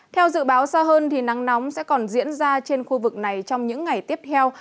theo dự báo xa hơn thì nắng nóng sẽ còn diễn ra trên khu vực này trong những ngày tiếp theo